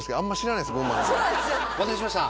お待たせしました。